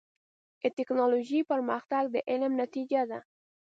د ټکنالوجۍ پرمختګ د علم نتیجه ده.